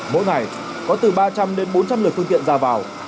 mỗi ngày có từ ba trăm linh đến bốn trăm linh lượt phương tiện ra vào